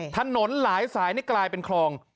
ถนนหลายสายนี่กลายเป็นคลอง